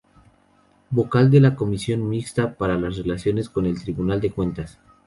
Vocal de la comisión mixta para las relaciones con el tribunal de cuentas.